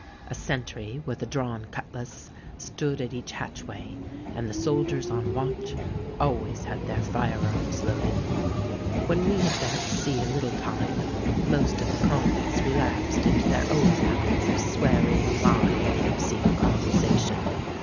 A sentry, with a drawn cutlass, stood at each hatchway; and the soldiers on watch always had their fire arms loaded. "When we had been to sea a little time, most of the convicts relapsed into their old habits of swearing, lying, and obscene conversation.